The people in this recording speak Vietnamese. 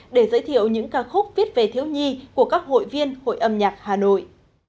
để giới thiệu những ca khúc viết về thiếu nhi của các hội viên hội âm nhạc hà nội